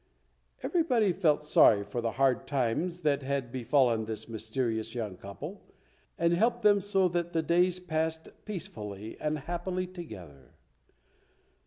Everybody felt sorry for the hard times that had befallen this mysterious young couple, and helped them so that the days passed peacefully and happily together.